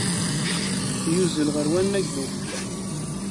Yuzzel ɣer wannag n ufella.